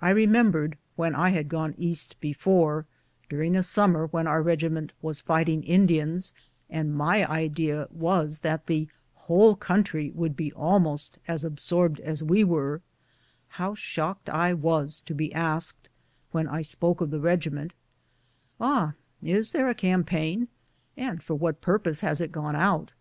I remembered when I had gone East be fore, during a summer when our regiment was fighting Indians, and my idea was that the whole country would be almost as absorbed as we were, how shocked I was to be asked, when I spoke of the regiment, "Ah, is there a campaign, and for what purpose has it gone out